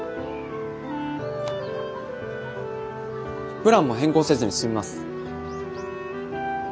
プランも変更せずに済みます。よかったです。